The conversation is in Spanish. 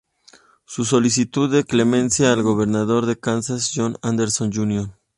Su solicitud de clemencia al gobernador de Kansas, John Anderson Jr.